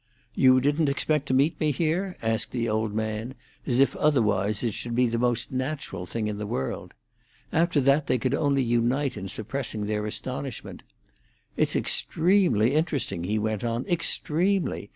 "You didn't expect to meet me here?" asked the old man, as if otherwise it should be the most natural thing in the world. After that they could only unite in suppressing their astonishment. "It's extremely interesting," he went on, "extremely!